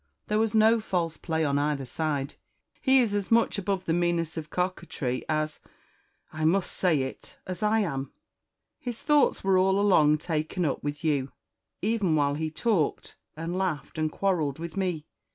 There was no false play on either side; he is as much above the meanness of coquetry, as I must say it as I am. His thoughts were all along taken up with you, even while he talked, and laughed, and quarrelled with me.